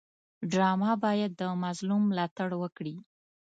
ډرامه باید د مظلوم ملاتړ وکړي